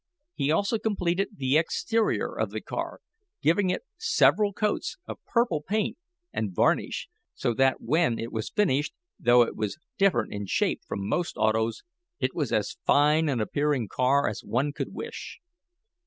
He also completed the exterior of the auto, giving it several coats of purple paint and varnish, so that when it was finished, though it was different in shape from most autos, it was as fine an appearing car as one could wish.